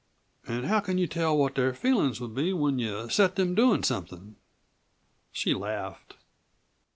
An' how can you tell what their feelin's would be when you set them doin' somethin'?" She laughed.